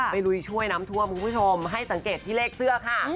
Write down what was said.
ลุยช่วยน้ำท่วมคุณผู้ชมให้สังเกตที่เลขเสื้อค่ะ